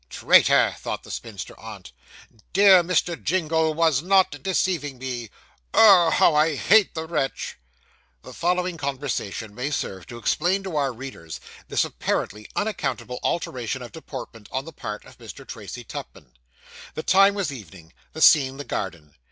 'Traitor!' thought the spinster aunt. 'Dear Mr. Jingle was not deceiving me. Ugh! how I hate the wretch!' The following conversation may serve to explain to our readers this apparently unaccountable alteration of deportment on the part of Mr. Tracy Tupman. The time was evening; the scene the garden.